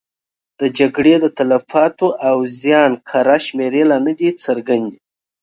د جګړې د تلفاتو او زیان کره شمېرې لا نه دي څرګندې.